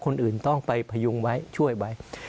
คนอื่นต้องไปพยุงไว้ช่วยไว้